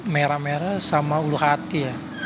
merah merah sama ulu hati ya